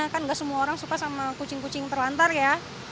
kan tidak semua orang suka dengan kucing kucing telantar ya